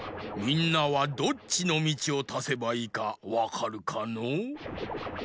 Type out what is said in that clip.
みんなはどっちのみちをたせばいいかわかるかのう？